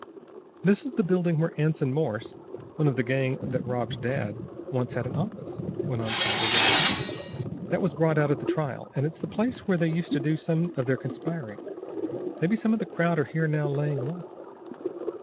"This is the building where Anson Morse, one of the gang that robbed dad, once had an office," went on Tom eagerly. "That was brought out at the trial. And it's the place where they used to do some of their conspiring. Maybe some of the crowd are here now laying low."